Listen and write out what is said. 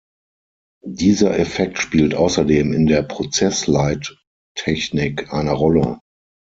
Dieser Effekt spielt außerdem in der Prozessleittechnik eine Rolle.